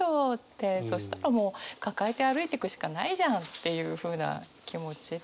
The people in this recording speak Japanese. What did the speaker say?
そしたらもう抱えて歩いてくしかないじゃんっていうふうな気持ちで。